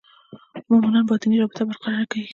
مومنان باطني رابطه برقراره کړي.